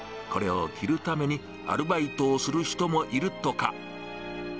これを着るためにアルバイトをする人もいるとか。